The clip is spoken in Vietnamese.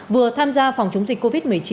vừa tham gia phòng chống dịch covid một mươi chín